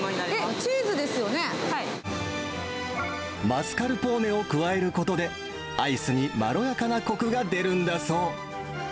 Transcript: マスカルポーネを加えることで、アイスにまろやかなこくが出るんだそう。